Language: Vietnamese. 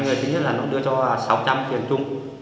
hai người thứ nhất là nó đưa cho sáu trăm linh triệu trung